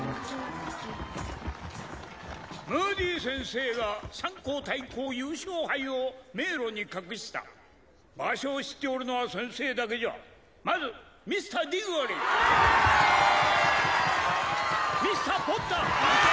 ムーディ先生が三校対抗優勝杯を迷路に隠した場所を知っておるのは先生だけじゃまずミスターディゴリーミスターポッターいけ！